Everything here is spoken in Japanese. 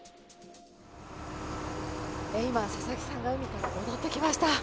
今、佐々木さんが海から戻ってきました。